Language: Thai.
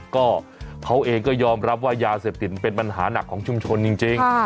ก็เขาเองก็ยอมรับว่ายาเสพติดมันเป็นปัญหาหนักของชุมชนจริง